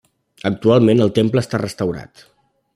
Actualment el temple està restaurat.